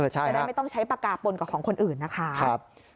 จะได้ไม่ต้องใช้ปากกาปนกับของคนอื่นนะคะ